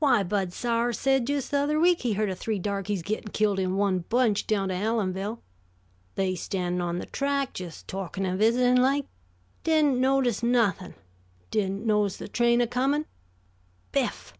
Why, Bud Sowers said just the other week he heard of three darkies gittin' killed in one bunch down to Allenville. They standin' on the track, jes' talkin' and visitin' like. Didn't notice nuthin'. Didn't notice the train a comin'. 'Biff!'